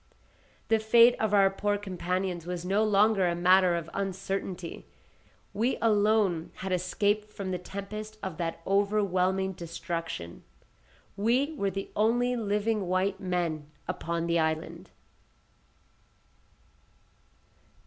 The fate of our poor companions was no longer a matter of uncertainty. We alone had escaped from the tempest of that overwhelming destruction. We were the only living white men upon the island.